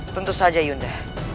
tentu saja yunda